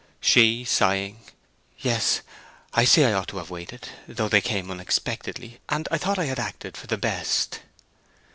She, sighing: "Yes—I see I ought to have waited; though they came unexpectedly, and I thought I had acted for the best."